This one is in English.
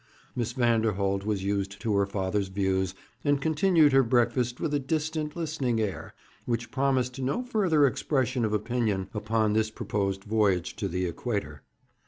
Miss Vanderholt was used to her father's views, and continued her breakfast with a distant, listening air, which promised no further expression of opinion upon this proposed voyage to the Equator.